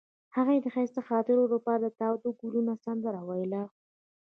هغې د ښایسته خاطرو لپاره د تاوده ګلونه سندره ویله.